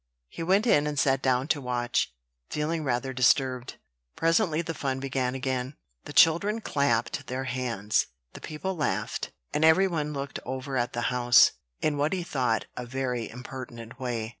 He went in and sat down to watch, feeling rather disturbed. Presently the fun began again: the children clapped their hands, the people laughed, and every one looked over at the house, in what he thought a very impertinent way.